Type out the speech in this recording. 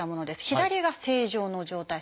左が正常の状態。